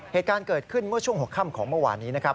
เหตุการณ์เกิดขึ้นเมื่อช่วงหัวค่ำของเมื่อวานนี้นะครับ